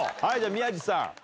はい宮治さん。